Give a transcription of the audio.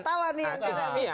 ini wartawan nih